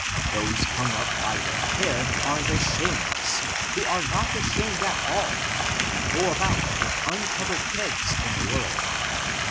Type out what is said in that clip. Those hung up by their hair are the shameless, who are not ashamed at all and go about with uncovered heads in the world.